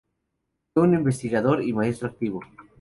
Fue un investigador y maestro activo.